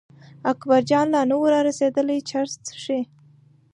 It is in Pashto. اکبرجان لا نه و را رسېدلی چرس څښي.